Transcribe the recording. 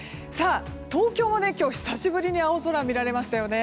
東京も今日久しぶりに青空見られましたよね。